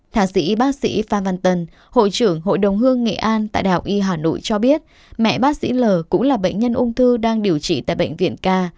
thạc sĩ bác sĩ phan văn tân hội trưởng hội đồng hương nghệ an tại đạo y hà nội cho biết mẹ bác sĩ l cũng là bệnh nhân ung thư đang điều trị tại bệnh viện k